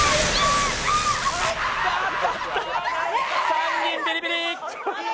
３人ビリビリ。